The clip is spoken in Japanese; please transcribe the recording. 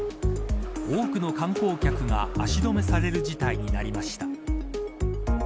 多くの観光客が足止めされる事態になりました。